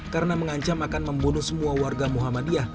karena mengancam akan membunuh semua warga muhammadiyah